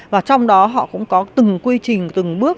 và trong đó họ cũng có từng quy trình từng bước